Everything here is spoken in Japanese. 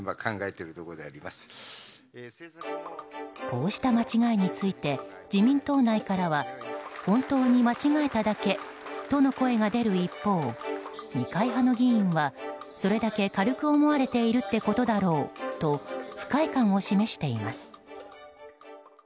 こうした間違いについて自民党内からは本当に間違えただけとの声が出る一方二階派の議員はそれだけ軽く思われているってことだろうと不快感を示しています。